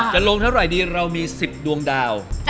จะลงเท่าไหร่ดีเรามี๑๐ดวงดาว